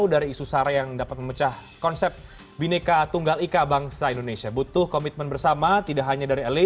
dan bersama tidak hanya dari la